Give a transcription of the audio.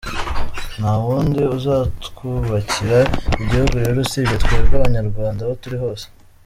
Ntawundi uzatwubakira Igihugu rero usibye twebwe Abanyarwand aho turi hose.